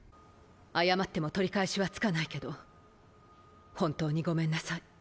謝っても取り返しはつかないけど本当にごめんなさい。